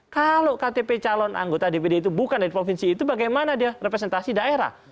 kalau ktp calon anggota dpd itu bukan dari provinsi itu bagaimana dia representasi daerah